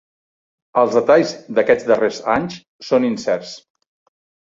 Els detalls d'aquests darrers anys són incerts.